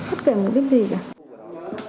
hất kể mục đích gì cả